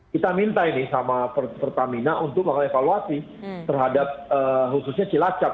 kita minta ini sama pertamina untuk melakukan evaluasi terhadap khususnya cilacap